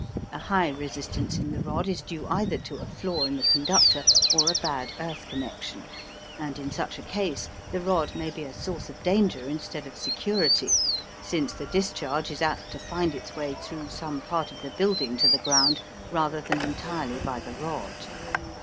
A high resistance in the rod is due either to a flaw in the conductor or a bad earth connection, and in such a case the rod may be a source of danger instead of security, since the discharge is apt to find its way through some part of the building to the ground, rather than entirely by the rod.